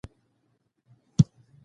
دا په معاصر اسلامي فکر کې ګډوډۍ سبب شو.